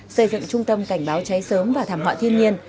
xây dựng trung tâm cảnh báo cháy sớm và thảm họa thiên nhiên